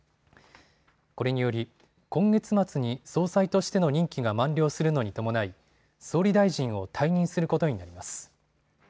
これにより今月末に総裁としての任期が満了するのに伴い総理大臣を退任することになります。